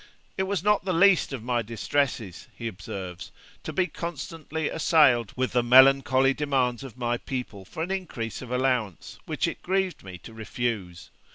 'It was not the least of my distresses,' he observes, 'to be constantly assailed with the melancholy demands of my people for an increase of allowance, which it grieved me to refuse.'